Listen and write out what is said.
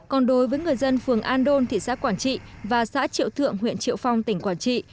còn đối với người dân phường an đôn thị xã quảng trị và xã triệu thượng huyện triệu phong tỉnh quảng trị